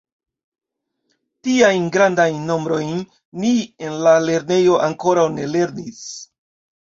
Tiajn grandajn nombrojn ni en la lernejo ankoraŭ ne lernis.